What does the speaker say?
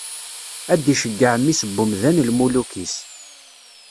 Ad d-iceggeɛ mmi-s n umdan lmuluk-is.